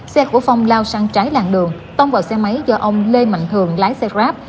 xe của phong lao sang trái làng đường tông vào xe máy do ông lê mạnh thường lái xe grab